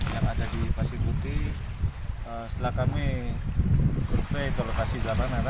yang ada di pasir putih setelah kami survei ke lokasi di lapangan